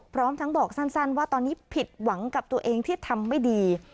พร้อมทั้งบอกสั้นว่าตอนนี้ผิดหวังกับตัวเองที่ทำไม่ดี